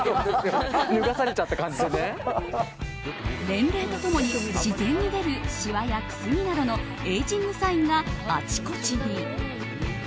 年齢と共に自然に出るしわや、くすみなどのエイジングサインがあちこちに。